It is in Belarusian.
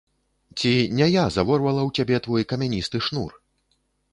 Ці не я заворвала ў цябе твой камяністы шнур?